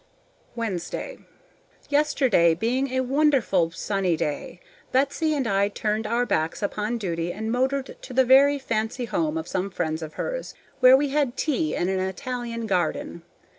Wednesday. Yesterday being a wonderful sunny day, Betsy and I turned our backs upon duty and motored to the very fancy home of some friends of hers, where we had tea in an Italian garden.